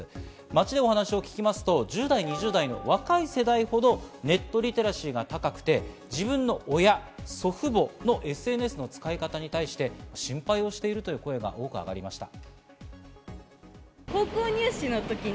街でお話を聞きますと１０代、２０代の若い世代ほどネットリテラシーが高くて、自分の親、祖父母のＳＮＳの使い方に対して心配をしているという声が多くあがりました。